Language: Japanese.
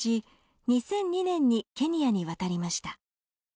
２００２年にケニアに渡りました